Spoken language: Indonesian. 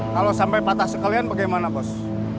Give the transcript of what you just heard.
kalau sampai patah sekalian bagaimana bos